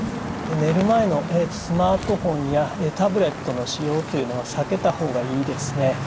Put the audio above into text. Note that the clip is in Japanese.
寝る前のスマートフォンやタブレットの使用というのは避けた方がいいですね。